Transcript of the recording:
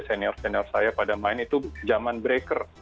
senior senior saya pada main itu zaman breaker